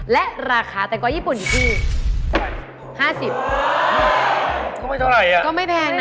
และราคาแตงกวายญี่ปุ่นอยู่ที่